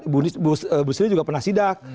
bu sri juga pernah sidak